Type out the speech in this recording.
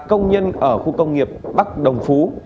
ở khu công nghiệp bắc đồng phú